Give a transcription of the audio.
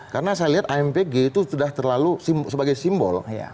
karena saya lihat ampg itu sudah terlalu sebagai simbol